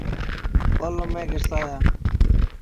পরলে মেঘের ছায়া।